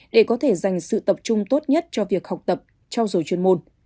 để có thể dành sự tập trung tốt nhất cho việc học tập trao dồi chuyên môn